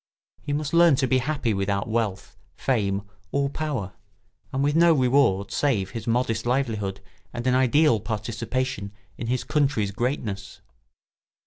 He must learn to be happy without wealth, fame, or power, and with no reward save his modest livelihood and an ideal participation in his country's greatness.